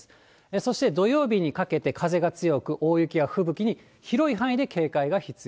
そして土曜日にかけて風が強く、大雪や吹雪に広い範囲で警戒が必要。